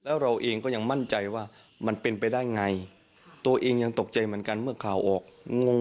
แล้วเราเองก็ยังมั่นใจว่ามันเป็นไปได้ไงตัวเองยังตกใจเหมือนกันเมื่อข่าวออกงง